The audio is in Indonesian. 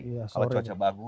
kalau cuaca bagus